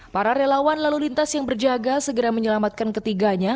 para relawan lalu lintas yang berjaga segera menyelamatkan ketiganya